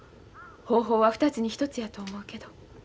方法は２つに１つやと思うけど。